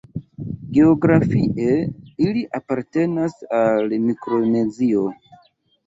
Geografie ili apartenas al Mikronezio.